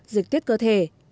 dịch tiết cơ thể